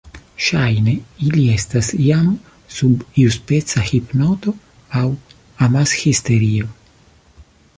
Ŝajne ili estas jam sub iuspeca hipnoto aŭ amashisterio.